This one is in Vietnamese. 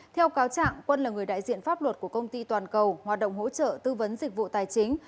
theo cáo trạng quân là người đại diện pháp luật của công ty toàn cầu hoạt động hỗ trợ tư vấn dịch vụ tài chính